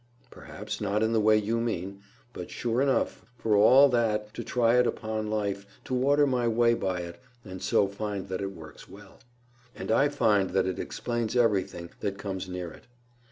"Perhaps not, in the way you mean; but sure enough, for all that, to try it upon life—to order my way by it, and so find that it works well. And I find that it explains everything that comes near it.